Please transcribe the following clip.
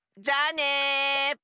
じゃあね！